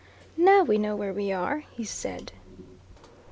"Now we know where we are," he said.